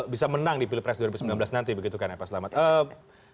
bisa menang di pilpres dua ribu sembilan belas nanti begitu kan ya pak selamat